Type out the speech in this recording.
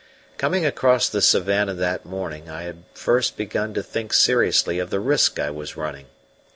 Coming across the savannah that morning I had first begun to think seriously of the risk I was running.